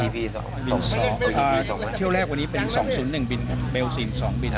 เบลซีน๒บิน